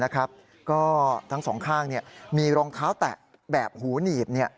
ก็ทั้งสองข้างมีรองเท้าแตะแบบหูหนีบ